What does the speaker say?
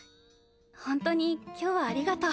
ホントに今日はありがとう。